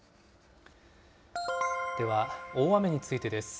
では、大雨についてです。